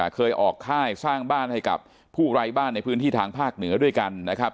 เคยออกค่ายสร้างบ้านให้กับผู้ไร้บ้านในพื้นที่ทางภาคเหนือด้วยกันนะครับ